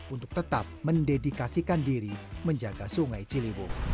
untuk tetap mendedikasikan diri menjaga sungai ciliwung